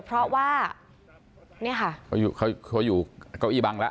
เพราะว่าเนี่ยค่ะเขาอยู่เก้าอี้บังแล้ว